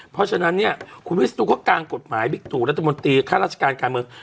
เพราะฉะนั้นเนี่ยคุณวิศนุเขากางกฎหมายบิ๊กตูรัฐมนตรีข้าราชการการเมือง